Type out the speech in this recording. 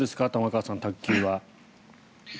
玉川さん、卓球は。